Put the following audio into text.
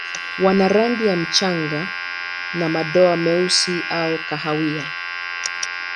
Wana rangi ya mchanga na madoa meusi au kahawia.